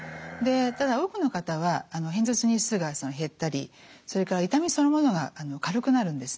ただ多くの方は片頭痛日数が減ったりそれから痛みそのものが軽くなるんですね。